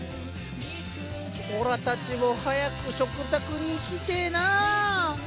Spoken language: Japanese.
オラたちも早く食卓に行きてえなあ！